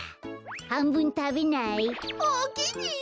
はんぶんたべない？おおきに。